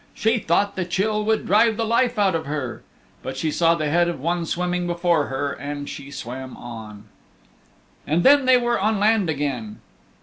She thought the chill would drive the life out of her. But she saw the head of one swimming before her and she swam on. And then they were on land again.